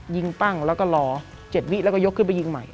ปั้งแล้วก็รอ๗วิแล้วก็ยกขึ้นไปยิงใหม่